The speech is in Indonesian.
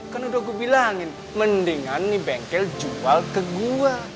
kan udah gue bilangin mendingan nih bengkel jual ke gua